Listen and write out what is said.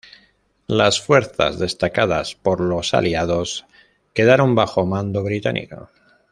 Las fuerzas destacadas por los Aliados quedaron bajo mando británico.